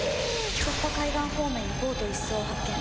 突破海岸方面にボート１艘を発見。